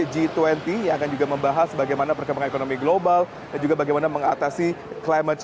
g dua puluh yang akan juga membahas bagaimana perkembangan ekonomi global dan juga bagaimana mengatasi climate